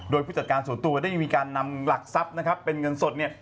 โดยผู้จัดการส่วนตัวได้ยินมีการนำหลักทรัพย์เป็นเงินสด